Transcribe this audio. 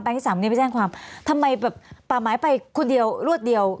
ที่สามนี้ไปแจ้งความทำไมแบบป่าไม้ไปคนเดียวรวดเดียว